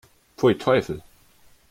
Pfui, Teufel!